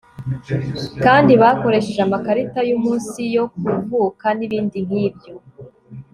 kandi bakoresheje amakarita yumunsi yo kuvuka nibindi nkibyo